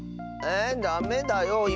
えダメだよ。